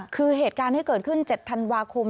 คือเหตุการณ์ที่เกิดขึ้น๗ธันวาคม